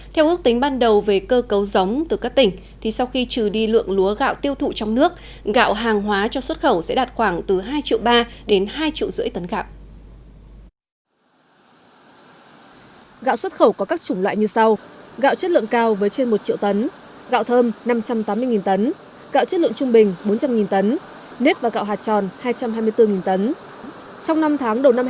theo ước tính ban đầu về cơ cấu giống từ các tỉnh sau khi trừ đi lượng lúa gạo tiêu thụ trong nước gạo hàng hóa cho xuất khẩu sẽ đạt khoảng từ hai triệu ba đến hai triệu rưỡi tấn gạo